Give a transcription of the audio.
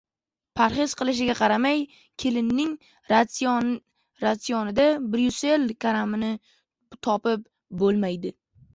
Parhez qilishiga qaramay, Kellining ratsionida bryussel karamini topib bo‘lmaydi